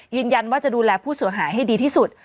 ยืนยันว่าจะดูแลผู้เสียหายให้ดีที่สุด